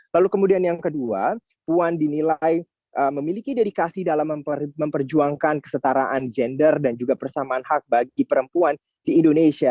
lalu kemudian yang kedua puan dinilai memiliki dedikasi dalam memperjuangkan kesetaraan gender dan juga persamaan hak bagi perempuan di indonesia